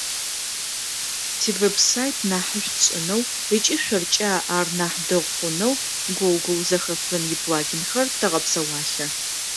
Тивеб-сайт нахьышӏу тшӏынэу ыкӏи шъоркӏэ ар нахь дэгъу хъунэу Гоогыл Зэхэфын иплагинхэр тэгъэпсэуалъэ.